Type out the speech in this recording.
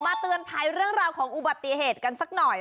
เตือนภัยเรื่องราวของอุบัติเหตุกันสักหน่อย